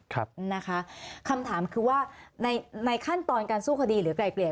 คำถามนะคะคำถามคือว่าในในขั้นตอนการสู้คดีหรือไกลเกลี่ย